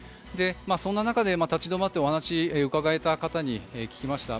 そんな中で、立ち止まってお話を伺えた方に聞きました。